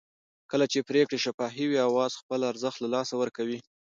کله چې پرېکړې شفافې وي اوازې خپل ارزښت له لاسه ورکوي